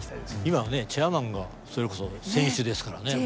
今はねチェアマンがそれこそ選手ですからね元。